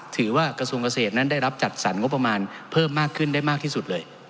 กระทรวงเกษตรนั้นได้รับจัดสรรงบประมาณเพิ่มมากขึ้นได้มากที่สุดเลย